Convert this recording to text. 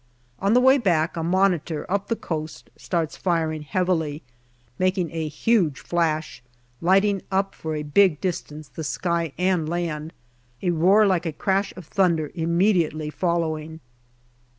On the way back a Monitor up the coast starts firing heavily, making a huge flash, lighting up for a big distance the sky and land, a roar like a crash of thunder immediately following.